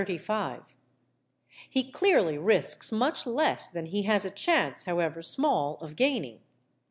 _ He clearly risks much less than he has a chance (however small) of gaining.